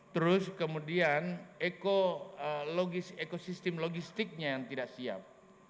terus kemudian ekosistem logistiknya yang tidak siap